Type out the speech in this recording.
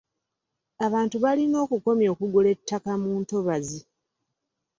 Abantu balina okukomya okugula ettaka mu ntobazi.